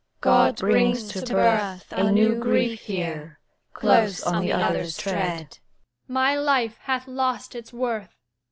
God brings to birth A new grief here, close on the other's tread! My life hath lost its worth.